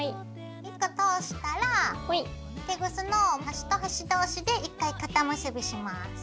１個通したらテグスの端と端同士で１回かた結びします。